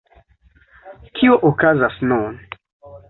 Kio okazas nun?